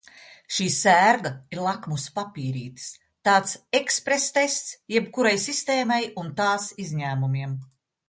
Šī sērga ir lakmusa papīrītis, tāds eksprestests jebkurai sistēmai un tās izņēmumiem.